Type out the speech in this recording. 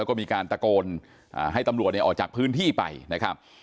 ก็มีการตะโกนให้ตำรวจออกจากพื้นที่ไปนะครับ